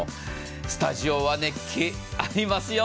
スタジオは熱気ありますよ。